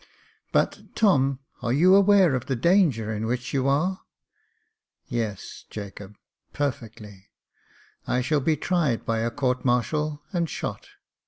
" But, Tom, are you aware of the danger in which you are?" " Yes, Jacob, perfectly ; I shall be tried by a court martial and shot.